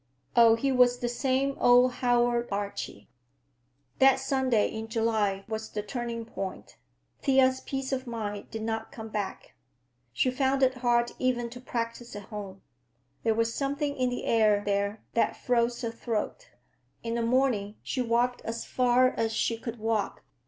Oh, he was the same old Howard Archie! That Sunday in July was the turning point; Thea's peace of mind did not come back. She found it hard even to practice at home. There was something in the air there that froze her throat. In the morning, she walked as far as she could walk.